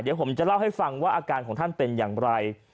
เดี๋ยวผมจะเล่าให้ฟังว่าอาการของท่านเป็นอย่างไร